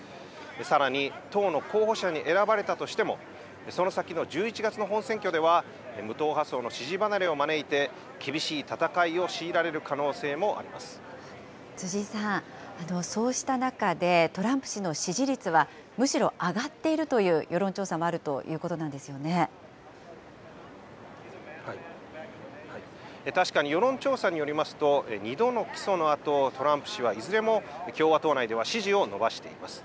さらに党の候補者に選ばれたとしても、その先の１１月の本選挙では、無党派層の支持離れを招いて、厳しい戦いを強いられる可能性もあ辻さん、そうした中で、トランプ氏の支持率は、むしろ上がっているという世論調査もあるとい確かに世論調査によりますと、２度の起訴のあと、トランプ氏はいずれも共和党内では支持を伸ばしています。